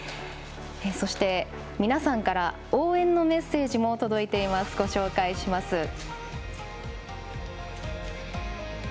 そして、皆さんから応援のメッセージも届いています、ご紹介します。